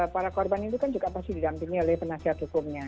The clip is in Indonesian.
para korban ini juga pasti didampingi oleh penasihat hukumnya